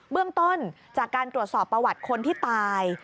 เบื้องต้นจากการตรวจสอบประวัติคนที่ตาย